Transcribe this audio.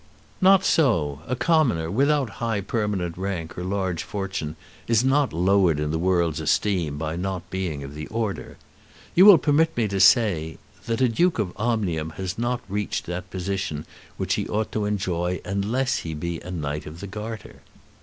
"Not so. A commoner, without high permanent rank or large fortune, is not lowered in the world's esteem by not being of the Order. You will permit me to say that a Duke of Omnium has not reached that position which he ought to enjoy unless he be a Knight of the Garter."